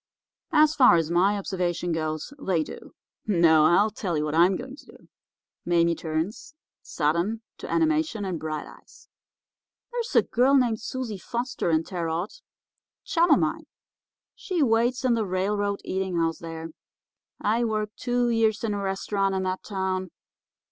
"'As far as my observation goes, they do. No, I'll tell you what I'm going to do.' Mame turns, sudden, to animation and bright eyes. 'There's a girl named Susie Foster in Terre Haute, a chum of mine. She waits in the railroad eating house there. I worked two years in a restaurant in that town.